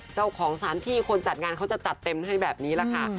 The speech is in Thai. เจ้าของสัญญาณที่จัดงานเขาก็จะจัดเต็มให้แบบนี้ค่ะ